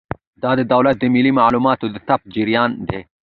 دا د دولت د مالي معاملاتو د ثبت جریان دی.